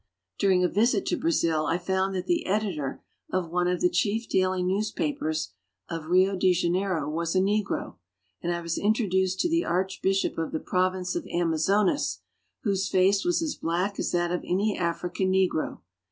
During a visit to Brazil I found that the editor of one of the chief daily newspapers of Rio de Janeiro was a negro, and I was introduced to the archbishop of the province of Amazonas, whose face was as black as that of any African negro.